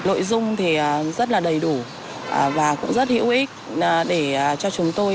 nội dung thì rất là đầy đủ và cũng rất hữu ích để cho chúng tôi